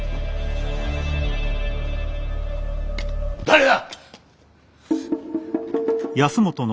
誰だ！？